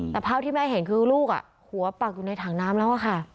แต่ภาพที่แม่เห็นคือลูกหัวปักอยู่ในถังน้ำแล้วค่ะ